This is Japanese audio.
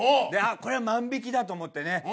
でこれは万引きだと思ってね